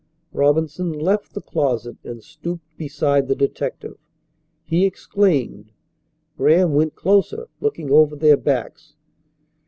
Robinson left the closet and stooped beside the detective. He exclaimed. Graham went closer looking over their backs.